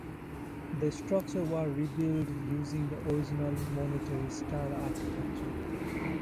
The structure was rebuilt using the original Monterey style architecture.